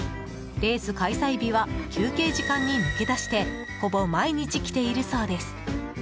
レース開催日は休憩時間に抜け出してほぼ毎日来ているそうです。